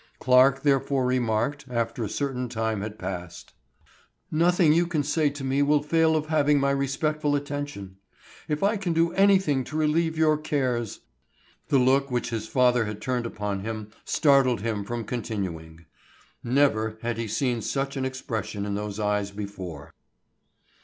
Clarke therefore remarked, after a certain time had passed: "Nothing you can say to me will fail of having my respectful attention. If I can do anything to relieve your cares—" The look which his father here turned upon him startled him from continuing. Never had he seen such an expression in those eyes before.